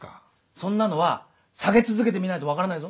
そんなのは下げ続けてみないと分からないぞ。